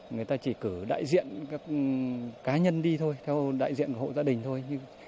người ta chỉ cử đại diện các cá nhân đi thôi theo đại diện hộ gia đình thôi